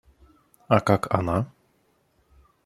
А как она?